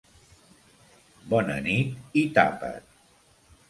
Bona nit i tapa't!